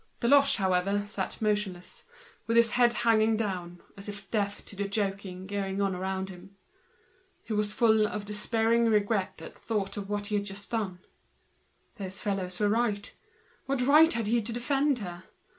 The latter sat motionless, with his head hanging down, as if deaf to the joking going on around him: he was full of a despairing regret for what he had just done. These fellows were right—what right had he to defend her?